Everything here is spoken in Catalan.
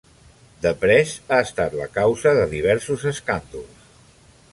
"The Press" ha estat la causa de diversos escàndols.